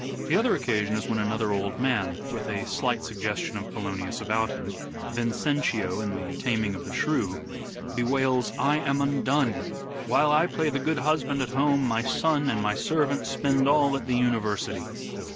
The other occasion is when another old man, with a slight suggestion of Polonius about him, Vincentio, in the " Taming of the Shrew," bewails " I am undone ! While I play the good husband at home my son and my servant spend all at the university."